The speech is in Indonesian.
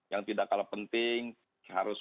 yang tidak kalah penting harus